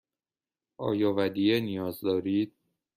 آیا ودیعه نیاز دارید؟